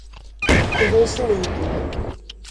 convencimento